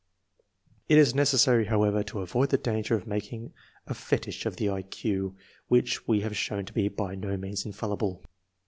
It is necessary, however, to avoid the danger of mak ing a fetich of the I Q, which we have shown to be by no means infallible.